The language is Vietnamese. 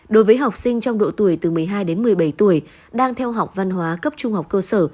đối với học sinh trong độ tuổi từ một mươi hai đến một mươi bảy tuổi đang theo học văn hóa cấp trung học cơ sở